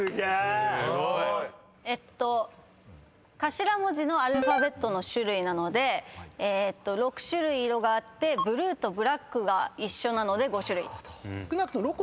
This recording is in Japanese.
えっと頭文字のアルファベットの種類なので６種類色があってＢｌｕｅとＢｌａｃｋが一緒なので「５種類」少なくとも。